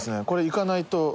これ行かないと。